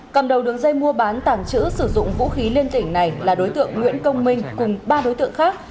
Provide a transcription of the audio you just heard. cầm đầu đường dây mua bán tàng trữ sử dụng vũ khí liên tỉnh này là đối tượng nguyễn công minh cùng ba đối tượng khác